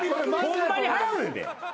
ホンマに払うんやで。